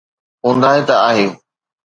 اونداهي نه آهي.